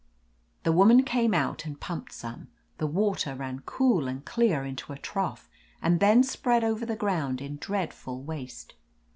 The woman came out and piunped some. The water ran cool and clear into a trough and then spread over the ground in dreadful waste.